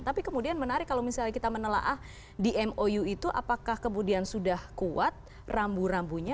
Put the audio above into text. tapi kemudian menarik kalau misalnya kita menelaah di mou itu apakah kemudian sudah kuat rambu rambunya